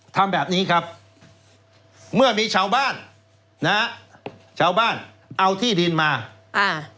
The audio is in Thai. ทำแบบนี้ครับเมื่อมีชาวบ้านนะฮะชาวบ้านเอาที่ดินมาอ่า